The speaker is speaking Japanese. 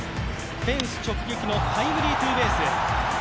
フェンス直撃のタイムリーツーベース。